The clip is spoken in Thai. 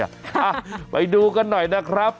อ่ะไปดูกันหน่อยนะครับ